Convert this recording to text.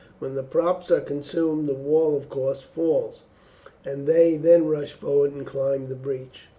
When the props are consumed the wall of course falls, and they then rush forward and climb the breach."